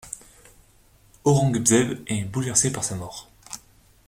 Aurangzeb est bouleversé par sa mort.